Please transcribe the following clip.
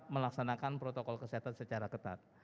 melaksanakan protokol kesehatan secara ketat